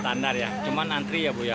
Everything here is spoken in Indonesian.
standar ya cuman antri ya bu ya